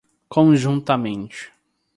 conjuntamente